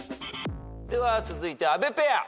では続いて阿部ペア。